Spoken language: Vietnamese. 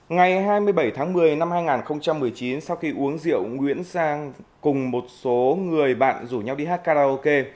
ngày hai mươi bảy tháng một mươi năm hai nghìn một mươi chín sau khi uống rượu nguyễn giang cùng một số người bạn rủ nhau đi hát karaoke